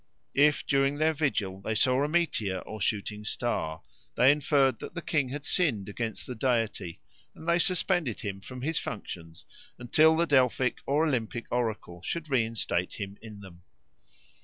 If during their vigil they saw a meteor or shooting star, they inferred that the king had sinned against the deity, and they suspended him from his functions until the Delphic or Olympic oracle should reinstate him in them.